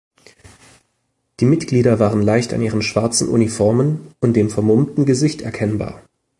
Die Mitglieder waren leicht an ihren schwarzen Uniformen und dem vermummten Gesicht erkennbar.